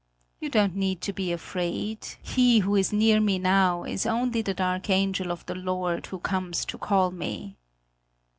You don't need to be afraid; he who is near me now is only the dark angel of the Lord who comes to call me."